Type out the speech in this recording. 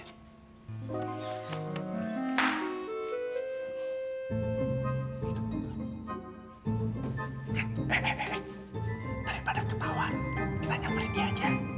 daripada ketawa kita nyamperin dia aja